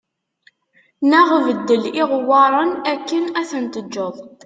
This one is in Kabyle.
Neɣ beddel iɣewwaṛen akken ad ten-teǧǧeḍ